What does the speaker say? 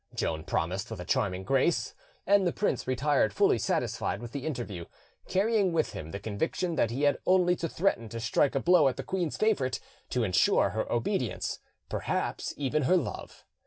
Joan promised with a charming grace, and the prince retired fully satisfied with the interview, carrying with him the conviction that he had only to threaten to strike a blow at the queen's favourite to ensure her obedience, perhaps even her love.